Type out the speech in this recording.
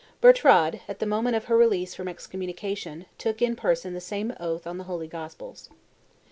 Bertrade, at the moment of her release from excommunication, took in person the same oath on the holy Gospels."